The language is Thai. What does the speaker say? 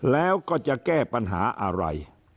แล้วก็จะแก้ปัญหาอะไร